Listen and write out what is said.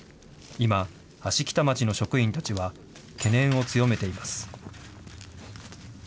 今、芦北町の職員たちは懸念を強めています。